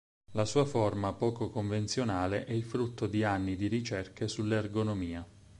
La sua forma poco convenzionale è il frutto di anni di ricerche sull'ergonomia.